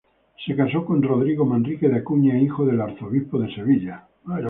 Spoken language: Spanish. Se casó con Rodrigo Manrique de Acuña, hijo del Arzobispo de Sevilla.